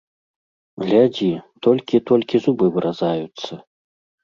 Глядзі, толькі, толькі зубы выразаюцца.